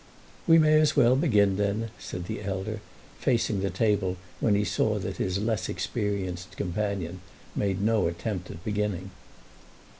"We may as well begin then," said the elder, facing the table when he saw that his less experienced companion made no attempt at beginning.